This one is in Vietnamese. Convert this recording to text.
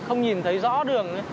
không nhìn thấy rõ đường